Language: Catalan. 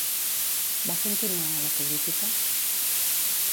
Va continuar a la política?